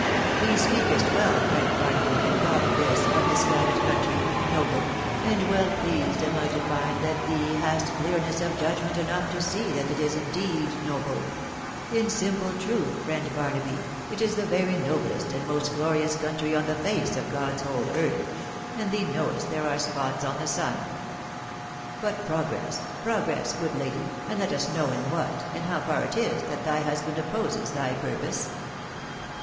Thee speakest well, friend Barnaby, in calling this, our misguided country, noble ; and well pleased am I to find that thee hast clearness of judgment enough to see that it is indeed noble ; in simple truth, friend Bar naby, it is the very noblest and most glorious country on the face of God's whole earth ; and thee knowest there are spots on the sun. But progress, progress, good lady, and let us know in what, and how far it is, that thy husband opposes thy purpose